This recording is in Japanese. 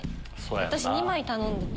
私２枚頼んでて。